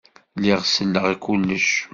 Lliɣ selleɣ i kullec.